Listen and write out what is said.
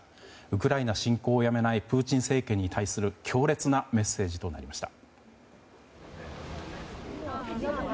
ウクライナ侵攻をやめないプーチン政権に対する強烈なメッセージとなりました。